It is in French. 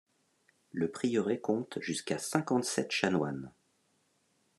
Le prieuré compte jusqu'à cinquante-sept chanoines.